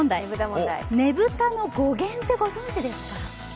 ねぶたの語源ってご存じですか？